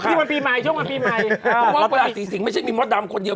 ช่วงวันปีใหม่เราราศีสิงไม่ใช่มีมศตำคนเดียว